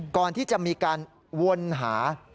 ก่อนที่จะมีการวนหา